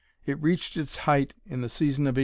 It reached its height in the season of 1873.